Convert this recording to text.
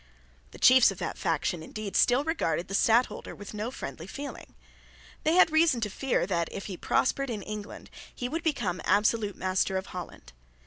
The chiefs of that faction, indeed, still regarded the Stadtholder with no friendly feeling. They had reason to fear that, if he prospered in England, he would become absolute master of Holland.